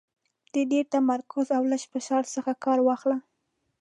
د ډېر تمرکز او لږ فشار څخه کار واخله .